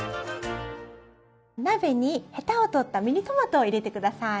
鍋にヘタを取ったミニトマトを入れて下さい。